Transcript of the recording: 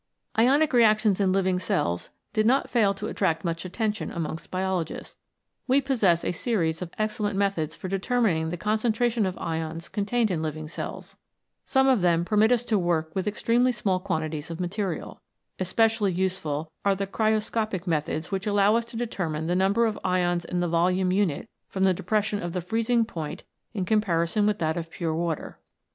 Ionic reactions in living cells did not fail to attract much attention amongst biologists. We possess a series of excellent methods for deter mining the concentration of ions contained in living cells. Some of them permit us to work with 73 CHEMICAL PHENOMENA IN LIFE extremely small quantities of material. Especi ally useful are the cryoscopic methods which allow us to determine the number of ions in the volume unit from the depression of the freezing point in comparison with that of pure water.